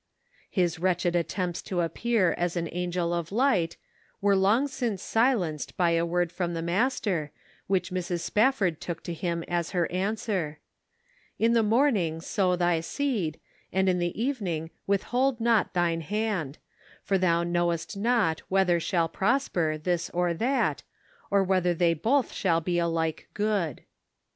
His wretched attempts to appear as an " angel of light," were long since silenced by a word from the Master, which Mrs. Spafford took to him as her answer ; "In the morning sow thy seed, and in the evening withhold not thine hand : for thou knowest not whether shall prosper, this or that, or whether they both shall be alike good."